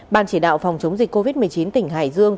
ban chỉ đạo phòng chống dịch covid một mươi chín tỉnh hải dương